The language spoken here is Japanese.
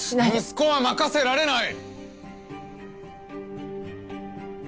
息子は任せられない！